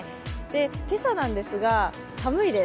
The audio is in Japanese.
今朝なんですが、寒いです。